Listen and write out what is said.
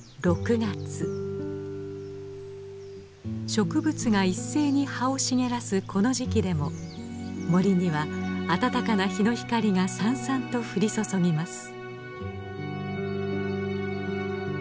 植物が一斉に葉を茂らすこの時期でも森には暖かな日の光がさんさんと降り注ぎます。